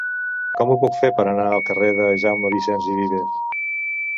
Com ho puc fer per anar al carrer de Jaume Vicens i Vives?